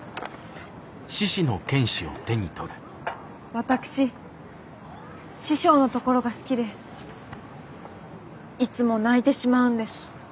私師匠のところが好きでいつも泣いてしまうんです。